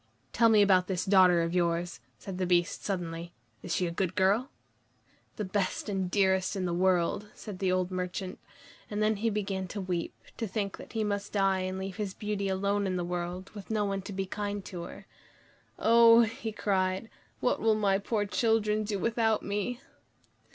"Tell me about this daughter of yours," said the Beast suddenly. "Is she a good girl?" "The best and dearest in the world," said the old merchant. And then he began to weep, to think that he must die and leave his Beauty alone in the world, with no one to be kind to her. "Oh!" he cried, "what will my poor children do without me?"